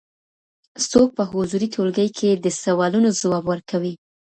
څوک په حضوري ټولګي کي د سوالونو ځواب ورکوي؟